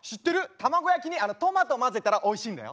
卵焼きにトマトまぜたらおいしいんだよ。